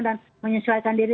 dan menyesuaikan diri